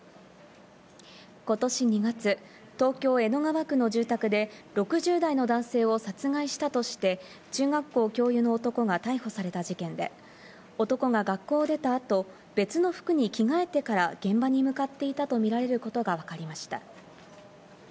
今年２月、東京・江戸川区の住宅で６０代の男性を殺害したとして中学校教諭の男が逮捕された事件で、男が学校を出た後、別の服に着替えてから現場に向かっていたとみられることがわかりました。